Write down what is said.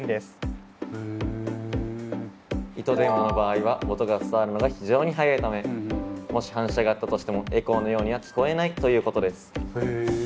糸電話の場合は音が伝わるのが非常に速いためもし反射があったとしてもエコーのようには聞こえないということです。